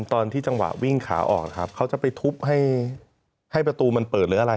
ตอนที่จังหวะวิ่งขาออกนะครับเขาจะไปทุบให้ประตูมันเปิดหรืออะไร